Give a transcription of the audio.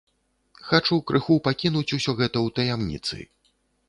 Хачу крыху пакінуць усё гэта ў таямніцы.